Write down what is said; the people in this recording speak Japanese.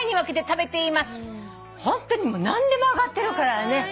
ホントにもう何でも上がってるからね。